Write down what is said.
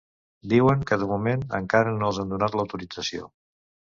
Diuen que de moment, encara no els han donat l’autorització.